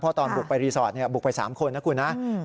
เพราะตอนบุกไปรีสอร์ทบุกไป๓คนนะครับ